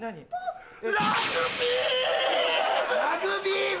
ラグビーム？